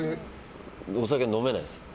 お酒飲めないです。